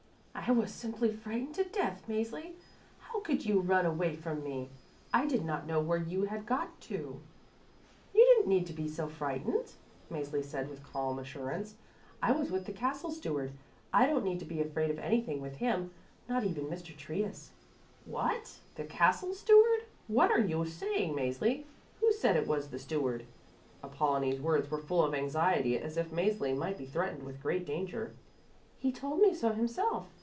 "I was simply frightened to death, Mäzli. How could you run away from me? I did not know where you had got to." "You didn't need to be so frightened," Mäzli said with calm assurance. "I was with the Castle Steward. I don't need to be afraid of anything with him, not even of Mr. Trius." "What, the Castle Steward! What are you saying, Mäzli? Who said it was the Steward?" Apollonie's words were full of anxiety, as if Mäzli might be threatened with great danger. "He told me so himself.